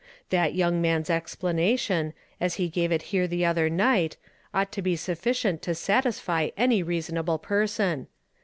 That young man's explana tion, as he gave it here the other niglit, onglit to be sufficient to satisfy any reasonable pei'son.